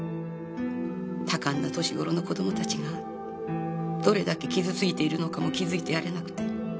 多感な年頃の子供たちがどれだけ傷ついているのかも気づいてやれなくて。